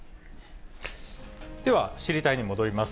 では、知りたいッ！に戻ります。